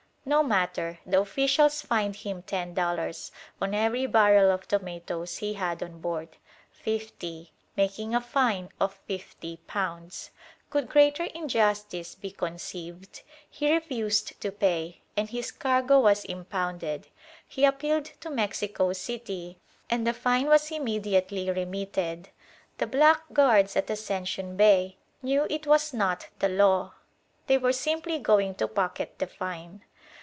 No matter: the officials fined him ten dollars on every barrel of tomatoes he had on board fifty making a fine of £50. Could greater injustice be conceived? He refused to pay, and his cargo was impounded. He appealed to Mexico City and the fine was immediately remitted. The blackguards at Ascension Bay knew it was not the law. They were simply going to pocket the fine.